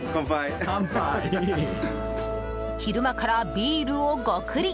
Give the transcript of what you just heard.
昼間からビールをゴクリ。